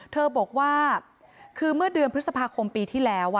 เธอบอกว่าคือเมื่อเดือนพฤษภาคมปีที่แล้ว